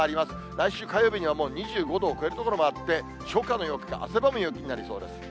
来週火曜日にはもう２５度を超える所もあって、初夏の陽気、汗ばむ陽気となりそうです。